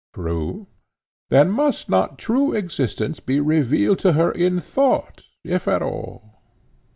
True. Then must not true existence be revealed to her in thought, if at all?